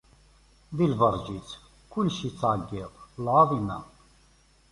Di lbeṛǧ-is, kullec ittɛeyyiḍ: Lɛaḍima!